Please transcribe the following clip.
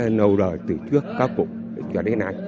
các cụ đã nâu đời từ trước các cụ cho đến nay